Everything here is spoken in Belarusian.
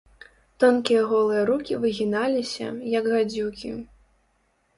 Тонкія голыя рукі выгіналіся, як гадзюкі.